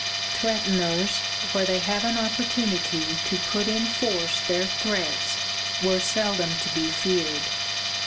Threateners, where they have an opportunity to put in force their threats, were seldom to be feared.